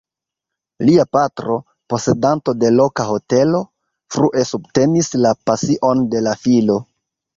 Lia patro, posedanto de loka hotelo, frue subtenis la pasion de la filo.